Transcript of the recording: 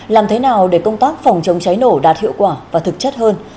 làm thế nào để công tác phòng chống cháy nổ đạt hiệu quả và thực chất hơn